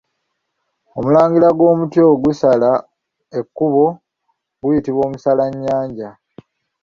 Omulandira gw’omuti ogusala ekkubo guyitibwa Omusalannyanja.